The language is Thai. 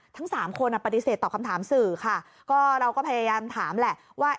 ทั้งสามคนอ่ะปฏิเสธตอบคำถามสื่อค่ะก็เราก็พยายามถามแหละว่า